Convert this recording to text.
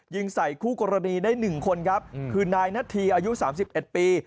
ยิงใส่คู่กรณีได้หนึ่งคนครับคือนายณฑีอายุสามสิบเอ็ดปี